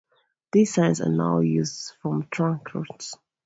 These signs are now used for Trunk routes.